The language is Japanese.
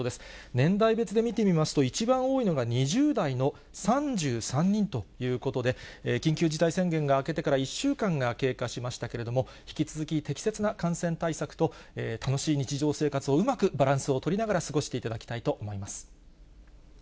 年代別で見てみますと、一番多いのが２０代の３３人ということで、緊急事態宣言が明けてから１週間が経過しましたけれども、引き続き適切な感染対策と、楽しい日常生活をうまくバランスを取りながら過ごしていただきたいと思います。